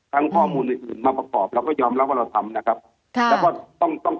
ทั้งข้อมูลอื่นมาประกอบเราก็ยอมรับว่าเราทำนะครับ